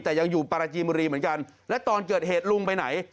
แต่ยังอยู่ปราจีนบุรีเหมือนกันและตอนเกิดเหตุลุงไปไหน